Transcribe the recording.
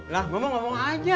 lah gue mau ngomong aja